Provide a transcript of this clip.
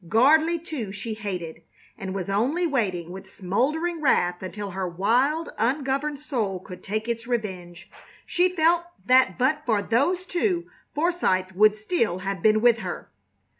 Gardley, too, she hated, and was only waiting with smoldering wrath until her wild, ungoverned soul could take its revenge. She felt that but for those two Forsythe would still have been with her.